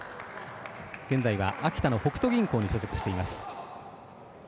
現在は秋田の北都銀行に所属しています。